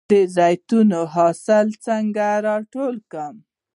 د زیتون حاصل څنګه ټول کړم؟